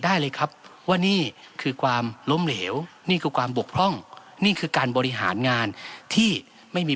ได้เลยครับว่านี่คือความล้มเหลวนี่คือความบกพร่องนี่คือการบริหารงานที่ไม่มี